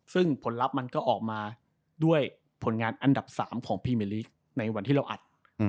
ซึ่งผลลัพธ์มันก็ออกมาด้วยผลงานอันดับ๓ของพรีเมอร์ลีกในวันที่เราอัด